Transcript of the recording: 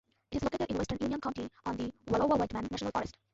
It is located in western Union County on the Wallowa-Whitman National Forest.